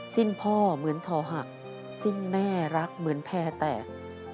สิ้นพ่อเหมือนทอหักสิ้นแม่รักเหมือนแพร่แตก